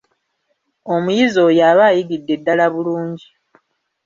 Omuyizi oyo aba ayigidde ddala bulungi.